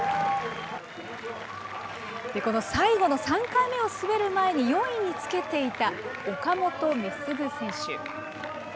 この最後の３回目を滑る前に、４位につけていた岡本碧優選手。